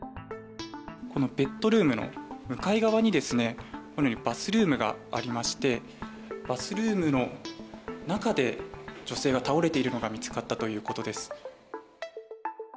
ベッドルームの向かい側にバスルームがありましてバスルームの中で女性が倒れているのが見つかったということです。